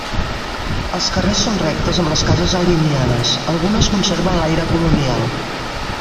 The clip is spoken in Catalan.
Els carrers són rectes amb les cases alienades, algunes conserven l'aire colonial.